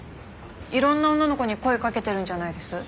いろんな女の子に声かけてるんじゃないです？